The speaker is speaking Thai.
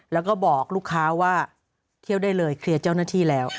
แล้วก็บอกลูกค้าว่าเที่ยวได้เลยเคลียร์เจ้าหน้าที่แล้ว